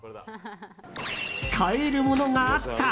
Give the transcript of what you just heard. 買えるものがあった！